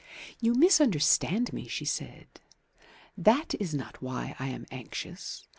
"You misunderstand me," she said. "That is not why I am anxious.